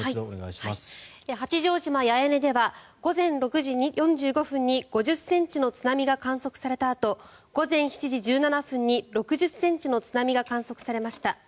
八丈島・八重根では午前６時４５分に５０ｃｍの津波が観測されたあと午前７時１７分に６０ｃｍの津波が観測されました。